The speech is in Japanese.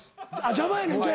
邪魔やねんって。